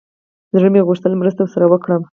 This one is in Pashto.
زړه مې وغوښتل مرسته ورسره وکړم.